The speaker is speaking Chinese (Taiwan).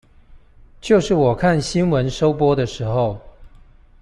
就是我看新聞收播的時候